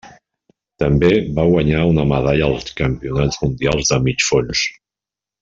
També va guanyar una medalla als Campionats mundials de Mig fons.